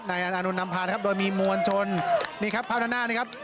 อาณานนทนำพานะครับโดยมีมวลชนนี่ครับภาพด้านหน้านะครับ